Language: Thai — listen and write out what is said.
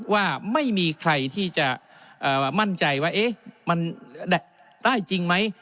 ว่าไม่มีใครที่จะมั่นใจว่ามันได้จริงไหม